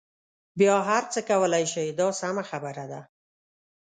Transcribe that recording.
بیا هر څه کولای شئ دا سمه خبره ده.